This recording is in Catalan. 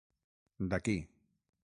D'aquí.